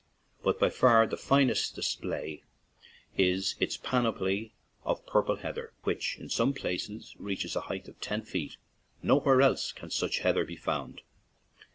But by far the finest display is its panoply of purple heather, which in some places reaches a height of ten feet; nowhere else can such heather be found.